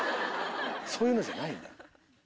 そういうのじゃないのよ。